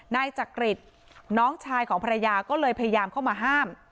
นายจักริตน้องชายของภรรยาก็เลยพยายามเข้ามาห้าม